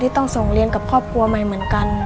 ต้องส่งเรียนกับครอบครัวใหม่เหมือนกัน